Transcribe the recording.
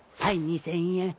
はい２，０００円。